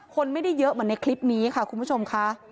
คนไม่ได้เยอะเหมือนในคลิปนี้ค่ะคุณผู้ชมค่ะ